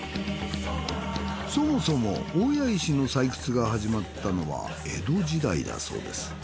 そもそも大谷石の採掘が始まったのは江戸時代だそうです。